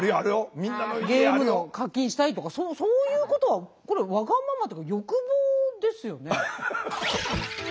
ゲームの課金したいとかそういうことはこれわがままっていうか欲望ですよね。